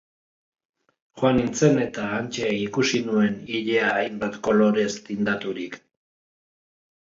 Joan nintzen eta hantxe ikusi nuen ilea hainbat kolorez tindaturik...